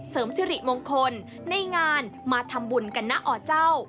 เสริมสิริมงคลในงานมาทำบุญกันนะอเจ้า